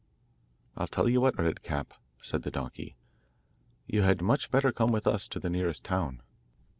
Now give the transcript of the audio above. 'I'll tell you what, redcap,' said the donkey; 'you had much better come with us to the nearest town.